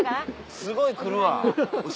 すごい来るわお尻。